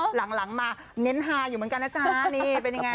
หลังมาเน้นฮาอยู่เหมือนกันนะจ๊ะนี่เป็นยังไง